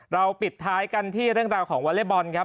ปิดท้ายกันที่เรื่องราวของวอเล็กบอลครับ